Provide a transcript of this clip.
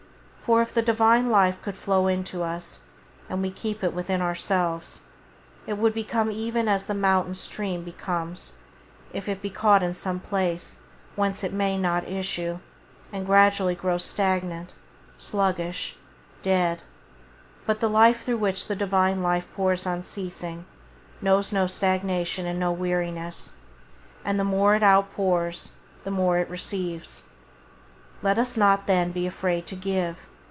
For if the Divine Life could flow into us and we keep it within ourselves, it would become even as the mountain stream becomes if it be caught in some place whence it may not issue, and gradually grows stagnant, sluggish, dead; but the life through which the Divine Life pours unceasing, knows no stagnation and no weariness, and the more it outpours the more it receives. Let us not, then, be afraid to give.